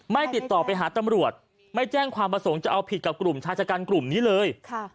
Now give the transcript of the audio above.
ติดต่อไปหาตำรวจไม่แจ้งความประสงค์จะเอาผิดกับกลุ่มชายชะกันกลุ่มนี้เลย